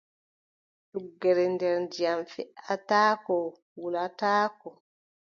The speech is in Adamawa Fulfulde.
Tuggere nder ndiyam, feʼataako wulataako.